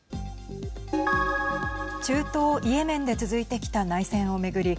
中東イエメンで続いてきた内戦を巡り